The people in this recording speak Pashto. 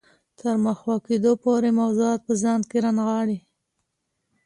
تر محوه کېدو پورې موضوعات په ځان کې رانغاړي.